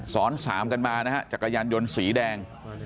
สามกันมานะฮะจักรยานยนต์สีแดง